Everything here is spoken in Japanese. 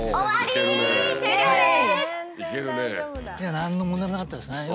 何の問題もなかったですね。